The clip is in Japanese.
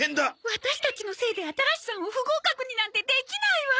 ワタシたちのせいで新さんを不合格になんてできないわ。